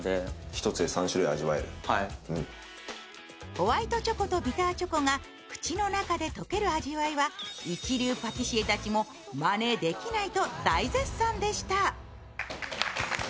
ホワイトチョコとビターチョコが口の中で溶ける味わいは一流パティシエたちも、まねできないと大絶賛でした。